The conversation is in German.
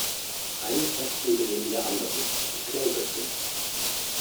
Eine Fressbude neben der anderen, ich glaube es nicht!